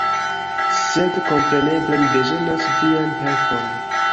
Sed kompreneble mi bezonas vian helpon!